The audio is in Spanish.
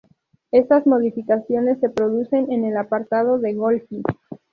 Estas modificaciones se producen en el aparato de Golgi.